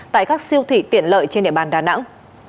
tại các siêu thị tiện lợi trên địa bàn đà nẵng